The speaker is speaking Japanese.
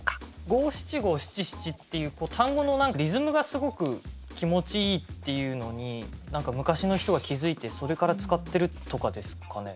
五七五七七っていう単語のリズムがすごく気持ちいいっていうのに何か昔の人が気付いてそれから使ってるとかですかね？